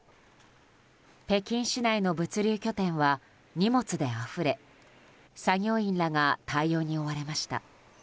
北京市内の物流拠点は荷物であふれ作業員らが対応に追われました。